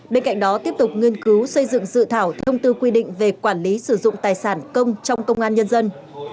bên cạnh đó tiếp tục nghiên cứu xây dựng dự thảo thông tư quy định về quản lý sử dụng tài sản công trong công an nhân dân